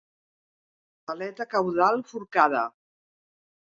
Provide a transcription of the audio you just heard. Aleta caudal forcada.